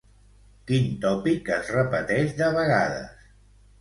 Quin tòpic es repeteix de vegades?